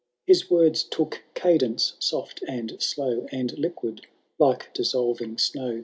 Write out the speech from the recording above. His wordiB took cadence soft and slow. And liquid, like dissolying snow.